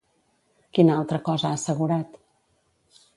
Quina altra cosa ha assegurat?